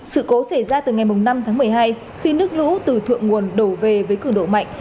sự cố xảy ra từ ngày năm tháng một mươi hai khi nước lũ từ thượng nguồn đổ về với cường độ mạnh